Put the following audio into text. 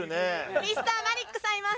Ｍｒ．マリックさんいます！